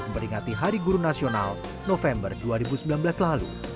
beringati hari guru nasional november dua ribu sembilan belas lalu